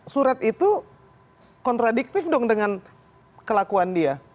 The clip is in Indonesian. surat itu kontradiktif dong dengan kelakuan dia